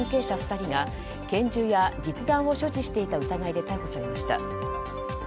２人が拳銃や実弾を所持していた疑いで逮捕されました。